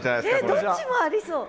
どっちもありそう。